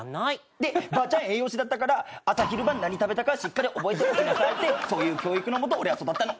でばあちゃん栄養士だったから朝昼晩何食べたかしっかり覚えておきなさいってそういう教育のもと俺は育ったの。